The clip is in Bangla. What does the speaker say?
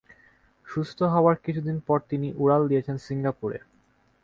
সুস্থ হওয়ার কিছুদিন পর তিনি উড়াল দিয়েছেন সিঙ্গাপুরে।